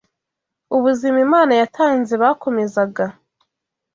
ubuzima Imana yatanze bakomezaga